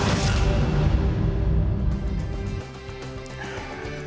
มีคนรักษามาครับ